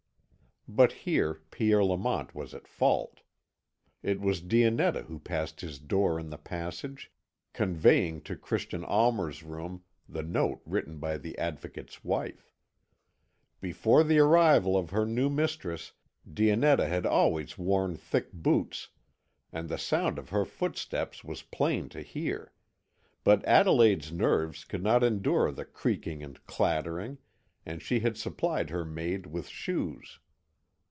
But here Pierre Lamont was at fault. It was Dionetta who passed his door in the passage, conveying to Christian Almer's room the note written by the Advocate's wife. Before the arrival of her new mistress, Dionetta had always worn thick boots, and the sound of her footstep was plain to hear; but Adelaide's nerves could not endure the creaking and clattering, and she had supplied her maid with shoes.